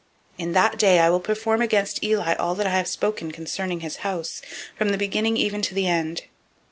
003:012 In that day I will perform against Eli all that I have spoken concerning his house, from the beginning even to the end.